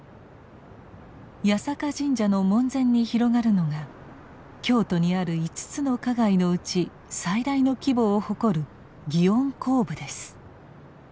八坂神社の門前に広がるのが京都にある５つの花街のうち最大の規模を誇る「祇園甲部」です。